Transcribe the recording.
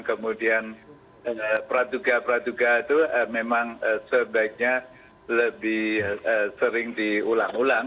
kemudian praduga praduga itu memang sebaiknya lebih sering diulang ulang